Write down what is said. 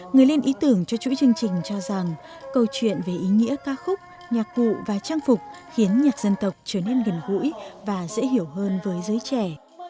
người lên ý tưởng cho chuỗi chương trình cho rằng câu chuyện về ý nghĩa ca khúc nhạc vụ và trang phục khiến nhạc dân tộc trở nên gần gũi và dễ hiểu hơn với giới trẻ